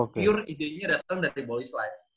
pure ide nya dateng dari bollies live